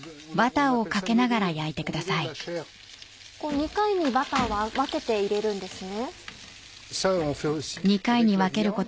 ２回にバターは分けて入れるんですね。